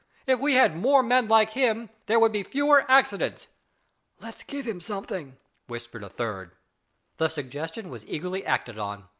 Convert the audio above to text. "If we had more men like him, there would be fewer accidents." "Let's give him something," whispered a third. The suggestion was eagerly acted on.